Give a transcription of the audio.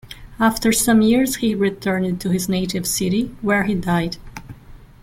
After some years he returned to his native city, where he died.